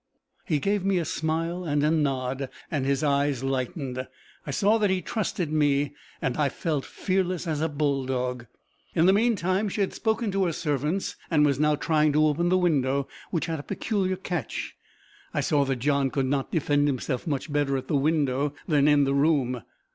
He gave me a smile and a nod, and his eyes lightened. I saw that he trusted me, and I felt fearless as a bull dog. In the meantime, she had spoken to her servants, and was now trying to open the window, which had a peculiar catch. I saw that John could defend himself much better at the window than in the room.